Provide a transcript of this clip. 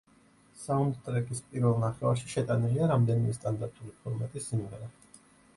საუნდტრეკის პირველ ნახევარში შეტანილია რამდენიმე სტანდარტული ფორმატის სიმღერა.